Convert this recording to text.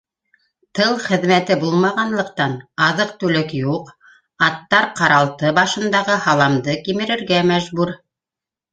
Тыл хеҙмәте булмағанлыҡтан, аҙыҡ-түлек юҡ, аттар ҡаралты башындағы һаламды кимерергә мәжбүр.